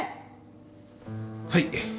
はい。